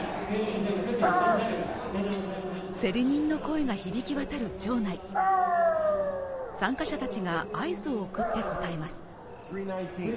競り人の声が響き渡る場内参加者たちが合図を送って答えます